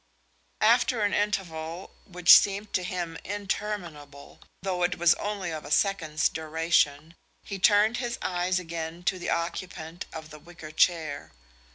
After an interval which seemed to him interminable, though it was only of a second's duration, he turned his eyes again to the occupant of the wicker chair.